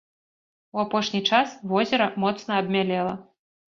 У апошні час возера моцна абмялела.